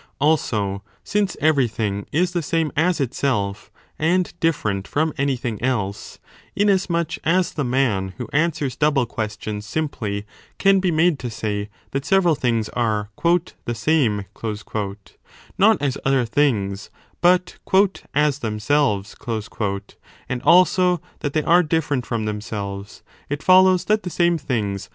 Also, since everything is the same as itself and different from anything else, 1 inasmuch as 2 the man who answers double questions simply can be made to say that several things are the same not as other things but as themselves, and also that they are different from themselves, it follows that the same things must 1 l8l b 13.